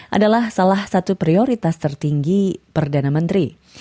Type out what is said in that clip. adalah salah satu prioritas tertinggi perdana menteri